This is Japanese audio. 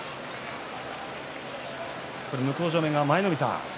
向正面、舞の海さん